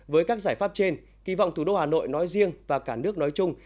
với các giải pháp trên kỳ vọng thủ đô hà nội nói riêng và cả nước nói chung